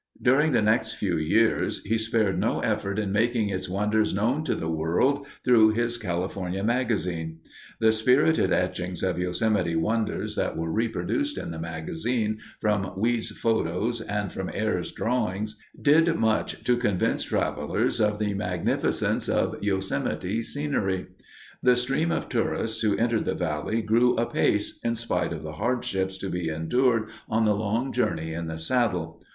During the next few years he spared no effort in making its wonders known to the world through his California Magazine. The spirited etchings of Yosemite wonders that were reproduced in the magazine from Weed's photos and from Ayres's drawings did much to convince travelers of the magnificence of Yosemite scenery. The stream of tourists who entered the valley grew apace in spite of the hardships to be endured on the long journey in the saddle.